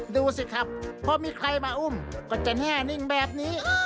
ดูสิครับพอมีใครมาอุ้มก็จะแน่นิ่งแบบนี้